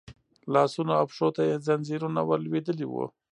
لاسونو او پښو ته يې ځنځيرونه ور لوېدلي وو.